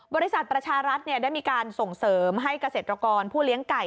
บริษัทประชารัฐได้มีการส่งเสริมให้เกษตรกรผู้เลี้ยงไก่